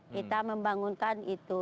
kita membangunkan itu